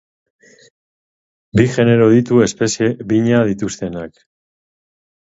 Bi genero ditu, espezie bina dituztenak.